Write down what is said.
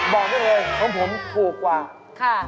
บอกว่าว่าเองของผมถูกกว่า